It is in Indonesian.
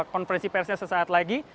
konferensi persia sesaat lagi